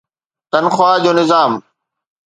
تنخواه جو نظام آهي.